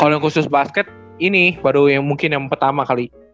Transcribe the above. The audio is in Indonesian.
kalau yang khusus basket ini baru mungkin yang pertama kali